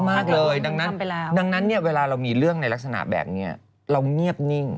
จะยุ่งยากในอนาคตมากเลย